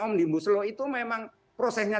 omnibus law itu memang prosesnya